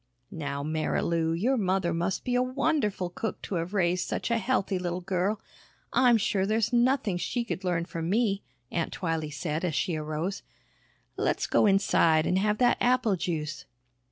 "Now, Marilou, your mother must be a wonderful cook to have raised such a healthy little girl. I'm sure there's nothing she could learn from me," Aunt Twylee said as she arose. "Let's go inside and have that apple juice."